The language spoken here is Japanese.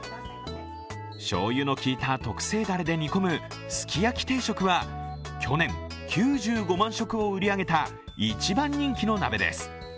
しょうゆの効いた特製だれで煮込むすき焼き定食は去年９５万食を売り上げた一番人気の鍋です。